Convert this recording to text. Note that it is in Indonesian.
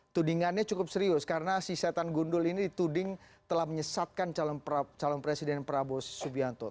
tudingannya cukup serius karena si setan gundul ini dituding telah menyesatkan calon presiden prabowo subianto